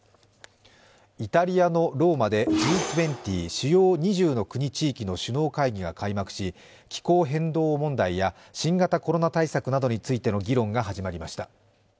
イタリアのローマでＧ２０＝主要２０か国・地域の首脳会議が開幕し気候変動問題や新型コロナ対策などについての議論が始まりました。